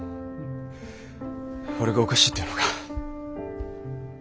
俺がおかしいって言うのか。